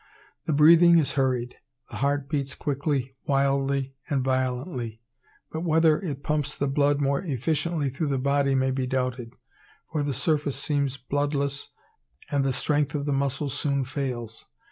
The breathing is hurried. The heart beats quickly, wildly, and violently; but whether it pumps the blood more efficiently through the body may be doubted, for the surface seems bloodless and the strength of the muscles soon fails.